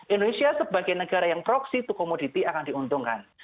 indonesia sebagai negara yang proxy to commodity akan diuntungkan